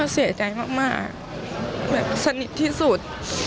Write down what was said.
เสียใจมากแบบสนิทที่สุด